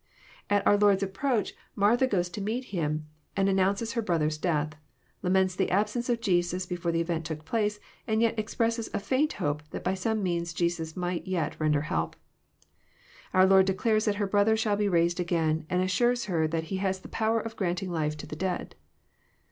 At our Lord's approach, Martha goes to meet Him, and an nounces her brother's death, laments the absence of Jesus before the event took place, and yet expresses a faint hope that by some means Jesus might yet render help. Our Lord declares that her brother shall be raised again, and assures her that He has the power of granting life to the dead.